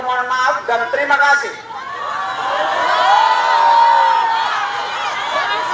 maaf dan terima kasih